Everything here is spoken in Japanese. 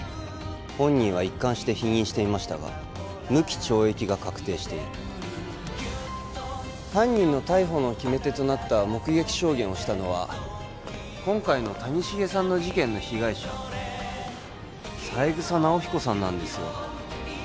本人は一貫して否認していましたが無期懲役が確定している犯人の逮捕の決め手となった目撃証言をしたのは今回の谷繁さんの事件の被害者三枝尚彦さんなんですよ